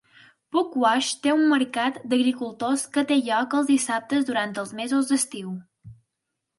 Pugwash té un mercat d'agricultors que té lloc els dissabtes durant els mesos d'estiu.